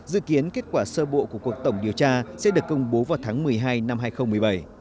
dự kiến kết quả sơ bộ của cuộc tổng điều tra sẽ được công bố vào tháng một mươi hai năm hai nghìn một mươi bảy